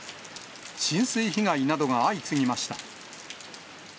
浸水被害などが相次ぎました。